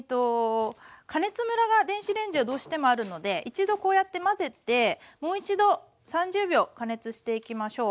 加熱ムラが電子レンジはどうしてもあるので一度こうやって混ぜてもう一度３０秒加熱していきましょう。